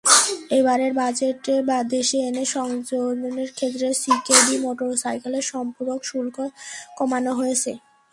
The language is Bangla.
এবারের বাজেটে দেশে এনে সংযোজনের ক্ষেত্রে সিকেডি মোটরসাইকেলের সম্পূরক শুল্ক কমানো হয়েছে।